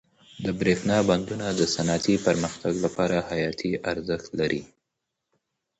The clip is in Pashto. د برښنا بندونه د صنعتي پرمختګ لپاره حیاتي ارزښت لري.